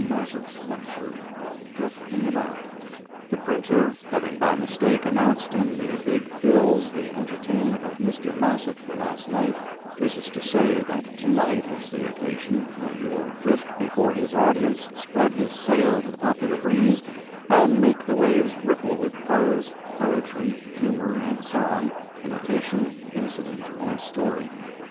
MASSETT'S LECTURE—"DRIFTING ABOUT."—The printer having by mistake announced in the big bills the entertainment of Mr. Massett for last night, this is to say that to night is the occasion when he will drift before his audience, spread his sail to the popular breeze, and make the waves ripple with prose, poetry, humor and song, imitation, incident and story.